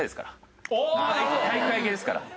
体育会系ですから。